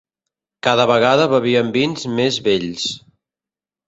Cada vegada bevíem vins més vells